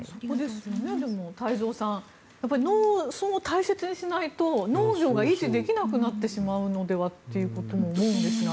太蔵さん農村を大切にしないと農業が維持できなくなってしまうのではということも思うんですが。